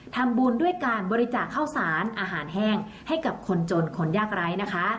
ทำบุญด้วยการบริจาคข้าวสารอาหารแห้งให้กับคนจนคนยากไร้นะคะ